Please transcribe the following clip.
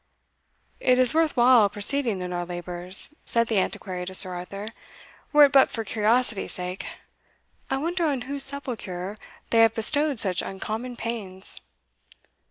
"It is worth while proceeding in our labours," said the Antiquary to Sir Arthur, "were it but for curiosity's sake. I wonder on whose sepulchre they have bestowed such uncommon pains."